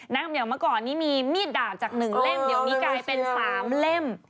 อย่างเมื่อก่อนนี้มีมีดดาบจาก๑เล่มเดี๋ยวนี้กลายเป็น๓เล่ม